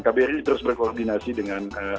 kbri terus berkoordinasi dengan